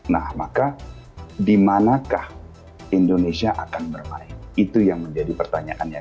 nah maka dimanakah indonesia akan bermain itu yang menjadi pertanyaannya